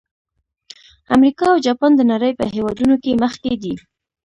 امریکا او جاپان د نړۍ په هېوادونو کې مخکې دي.